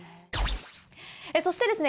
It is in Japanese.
そしてですね